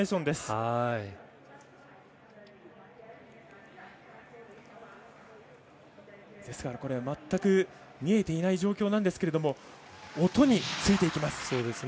ですから、全く見えていない状況なんですけれども音についていきます。